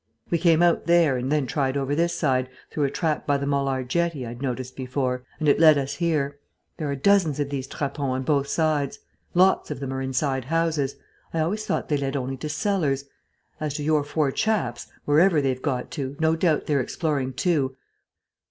We came out there, and then tried over this side, through a trap by the Molard jetty I'd noticed before, and it led us here. There are dozens of these trappons on both sides. Lots of them are inside houses. I always thought they led only to cellars.... As to your four chaps, wherever they've got to, no doubt they're exploring too.